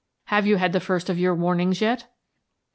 Have you had the first of your warnings yet?"